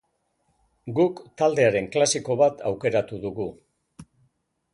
Guk taldearen klasiko bat aukeratu dugu.